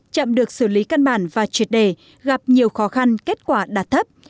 chậm được xử lý căn bản và triệt đề gặp nhiều khó khăn kết quả đạt thấp